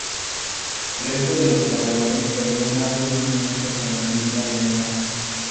El resto de corredores perdió más de dos minutos en línea de meta.